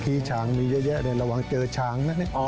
ช้างมีเยอะแยะเลยระวังเจอช้างนะ